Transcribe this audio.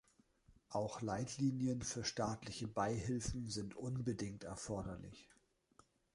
Auch Leitlinien für staatliche Beihilfen sind unbedingt erforderlich.